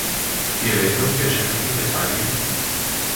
Die Erwähnung der Schriften des hl.